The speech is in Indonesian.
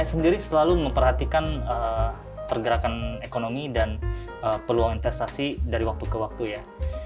saya sendiri selalu memperhatikan pergerakan ekonomi dan peluang investasi dari waktu ke waktu ya